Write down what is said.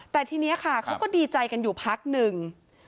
แต่ทีนี้ค่ะเขาก็ดีใจกันอยู่พักหนึ่ง